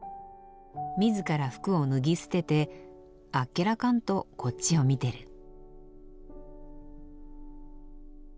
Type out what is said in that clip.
自ら服を脱ぎ捨ててあっけらかんとこっちを見てる。